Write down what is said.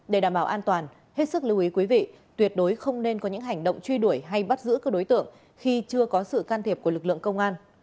để đảm bảo an toàn hết sức lưu ý quý vị tuyệt đối không nên có những hành động truy đuổi hay bắt giữ các đối tượng khi chưa có sự can thiệp của lực lượng công an